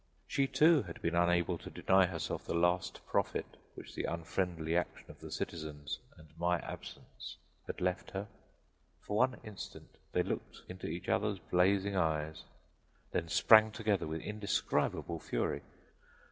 She, too, had been unable to deny herself the last profit which the unfriendly action of the citizens and my absence had left her. For one instant they looked into each other's blazing eyes and then sprang together with indescribable fury.